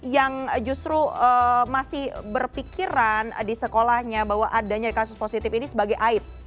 yang justru masih berpikiran di sekolahnya bahwa adanya kasus positif ini sebagai aib